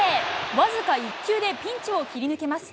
僅か１球でピンチを切り抜けます。